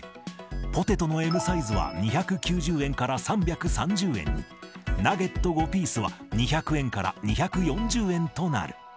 ポテトのＭサイズは２９０円から３３０円に、ナゲット５ピースは２００円から２４０円となる。